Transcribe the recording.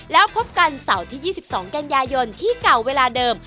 แล้วพบกันเสาร์ที่๒๒กันยายนที่เก่าเวลาเดิม